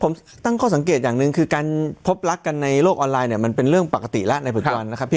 ผมตั้งข้อสังเกตอย่างนึงคือการพบลักษณ์กันในโลกออนไลน์มันเป็นเรื่องปกติแล้วในพฤติวันนะครับ